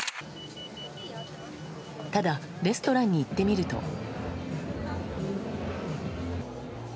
ただレストランに行ってみると。